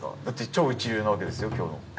だって超一流なわけですよ今日の。